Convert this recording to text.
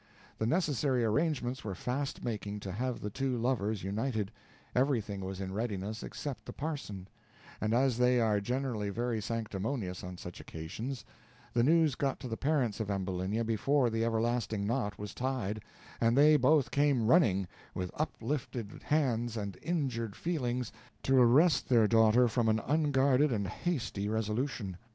The necessary arrangements were fast making to have the two lovers united everything was in readiness except the parson; and as they are generally very sanctimonious on such occasions, the news got to the parents of Ambulinia before the everlasting knot was tied, and they both came running, with uplifted hands and injured feelings, to arrest their daughter from an unguarded and hasty resolution.